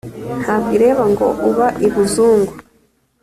ntabwo ireba ngo uba i buzungu